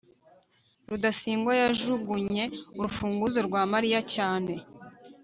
rudasingwa yajugunye urufunguzo rwa mariya cyane